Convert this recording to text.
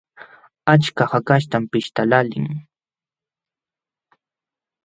Achka hakaśhtam pishtaqlaalin.